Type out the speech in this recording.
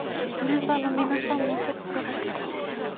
メンバーの皆さんもショックだったでしょうね。